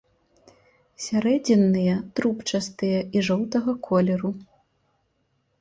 Сярэдзінныя трубчастыя і жоўтага колеру.